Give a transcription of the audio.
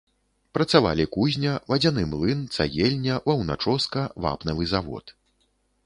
Працавалі кузня, вадзяны млын, цагельня, ваўначоска, вапнавы завод.